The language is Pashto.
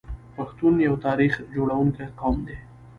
پښتون یو تاریخ جوړونکی قوم دی.